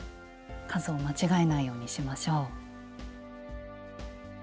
数を間違えないようにしましょう。